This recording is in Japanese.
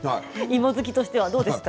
芋好きとしてはどうですか？